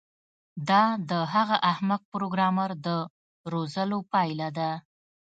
دا د هغه احمق پروګرامر د روزلو پایله ده